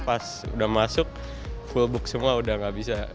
pas udah masuk full book semua udah gak bisa